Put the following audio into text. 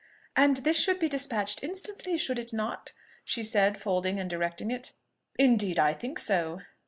"And this should be despatched instantly, should it not?" she said, folding and directing it. "Indeed, I think so."